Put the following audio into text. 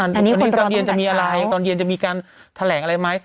วันนี้ตอนเย็นจะมีอะไรตอนเย็นจะมีการแถลงอะไรไหม